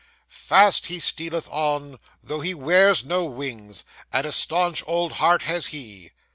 Fast he stealeth on, though he wears no wings, And a staunch old heart has he.